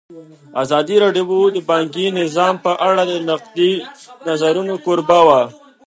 ازادي راډیو د بانکي نظام په اړه د نقدي نظرونو کوربه وه.